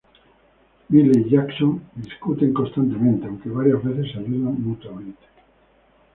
Miley y Jackson discuten constantemente, aunque varias veces se ayudan mutuamente.